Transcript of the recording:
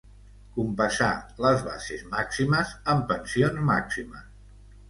Compassar les bases màximes amb pensions màximes.